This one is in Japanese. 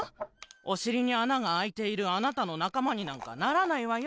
おしりにあながあいているあなたのなかまになんかならないわよ。